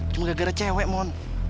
cuma gak gara cewek mon